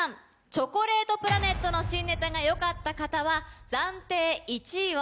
チョコレートプラネットの新ネタが良かった方は「暫定１位」を。